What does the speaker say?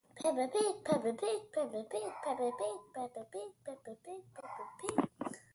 The landing gear was tandem wheels, plus a tail caster.